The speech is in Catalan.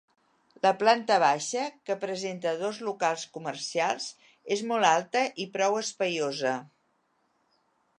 La planta baixa, que presenta dos locals comercials, és molt alta i prou espaiosa.